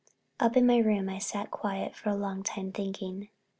Up in my room I sat quiet for a long time thinking.